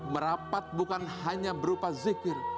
merapat bukan hanya berupa zikir